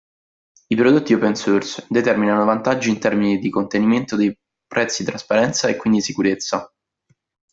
I prodotti open source determinano vantaggi in termini di contenimento dei prezzi trasparenza, e quindi sicurezza.